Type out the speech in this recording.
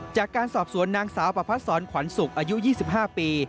จากการสอบสวนนางสาวประพัดศรขวัญศุกร์อายุ๒๕ปี